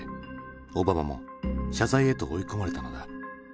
オバマも謝罪へと追い込まれたのだ。